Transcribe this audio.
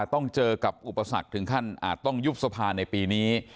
ต้องเจอกับอุปสรรคถึงขั้นอาจต้องยุบสภาในปีนี้